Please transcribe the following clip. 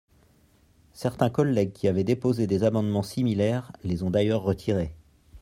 Certains collègues qui avaient déposé des amendements similaires les ont d’ailleurs retirés.